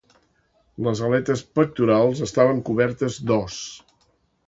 Les aletes pectorals estaven cobertes d'os.